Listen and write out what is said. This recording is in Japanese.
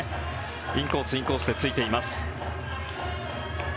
インコース、インコースで突いています。